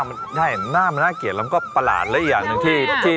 เน่าให้เห็นน่าเกลียดและประหลาดระยะที